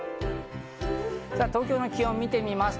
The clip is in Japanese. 東京の気温を見てみます。